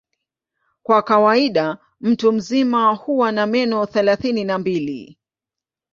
Kwa kawaida mtu mzima huwa na meno thelathini na mbili.